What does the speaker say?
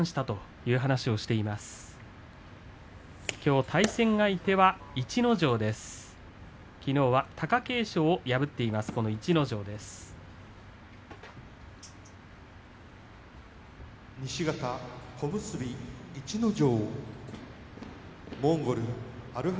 きのうは貴景勝を破っています逸ノ城。